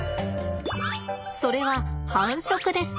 それは繁殖です。